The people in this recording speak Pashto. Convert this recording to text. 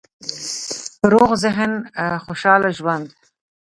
روغ ذهن، خوشحاله ژوند